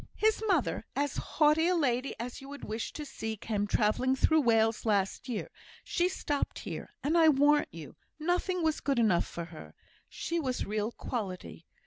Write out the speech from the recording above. His mother, as haughty a lady as you would wish to see, came travelling through Wales last year; she stopped here, and, I warrant you, nothing was good enough for her; she was real quality.